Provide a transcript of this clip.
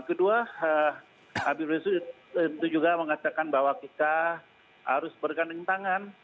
kedua abid rizie itu juga mengatakan bahwa kita harus berkanding tangan